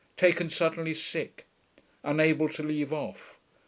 taken suddenly sick ... unable to leave off